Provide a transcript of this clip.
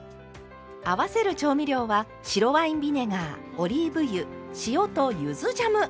合わせる調味料は白ワインビネガーオリーブ油塩とゆずジャム！